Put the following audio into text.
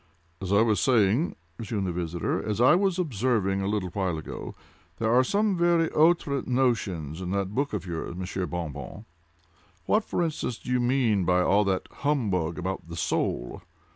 "As I was saying," resumed the visitor—"as I was observing a little while ago, there are some very outré notions in that book of yours Monsieur Bon Bon. What, for instance, do you mean by all that humbug about the soul?